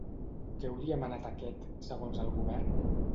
Que hauria manat aquest, segons el Govern?